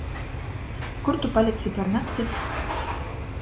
Kur tu paliksi par nakti?